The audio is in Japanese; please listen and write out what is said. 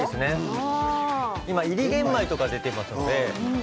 今、いり玄米とか出ています。